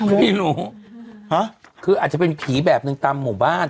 ไม่รู้คืออาจจะเป็นผีแบบหนึ่งตามหมู่บ้าน